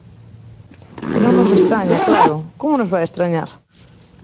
E non nos estraña, claro, ¡como nos vai estrañar?